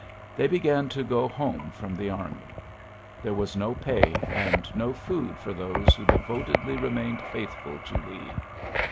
Ibey began to go home from the army. I!h^ was no pay and no food for those who devotedly remained Mthful to Lee.